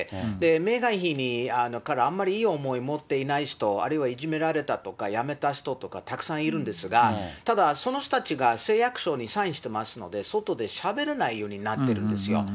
メーガン妃から、あんまりいい思い持ってない人、あるいはいじめられたとか、辞めた人とか、たくさんいるんですが、ただ、その人たちは誓約書にサインしてますので、外でしゃべれないようになってるんですよ。